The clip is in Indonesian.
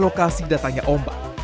lokasi datanya ombak